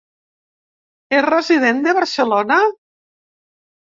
És resident de Barcelona?